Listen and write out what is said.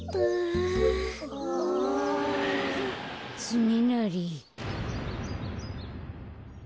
つねなり。